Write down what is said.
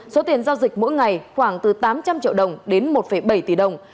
số tiền giao dịch mỗi ngày khoảng từ tám trăm linh triệu đồng đến một bảy tỷ đồng